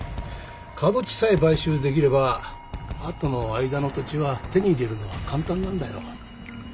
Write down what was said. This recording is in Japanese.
角地さえ買収できればあとの間の土地は手に入れるのは簡単なんだよ。